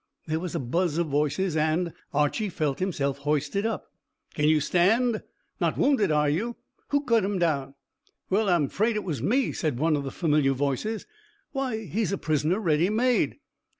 There was a buzz of voices, and Archy felt himself hoisted up. "Can you stand? Not wounded, are you? Who cut him down?" "Well, I'm 'fraid it was me," said one of the familiar voices. "Why, he is a prisoner ready made."